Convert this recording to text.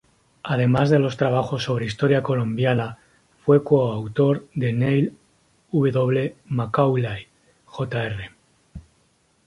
Además de los trabajos sobre historia colombiana, fue coautor con Neill W. Macaulay, Jr.